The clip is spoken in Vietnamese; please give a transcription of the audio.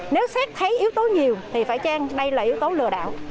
nếu xét thấy yếu tố nhiều thì phải chăng đây là yếu tố lừa đảo